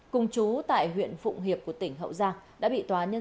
cùng chú tại huyện phụng hiệp của tỉnh hậu giang